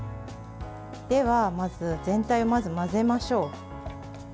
では、まず全体を混ぜましょう。